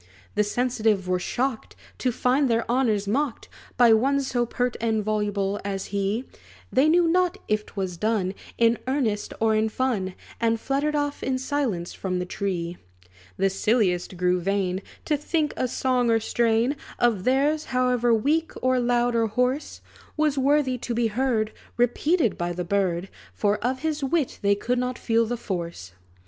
The sensitive were shocked, To find their honors mocked By one so pert and voluble as he; They knew not if 't was done In earnest or in fun; And fluttered off in silence from the tree. The silliest grew vain, To think a song or strain Of theirs, however weak, or loud, or hoarse, Was worthy to be heard Repeated by the bird; For of his wit they could not feel the force.